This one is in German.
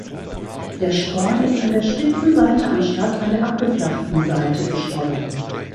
Der Sporn ist an der spitzen Seite anstatt an der abgeflachten Seite geschwollen.